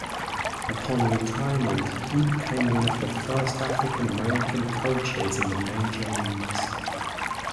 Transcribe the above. Upon retirement, he became one of the first African-American coaches in the major leagues.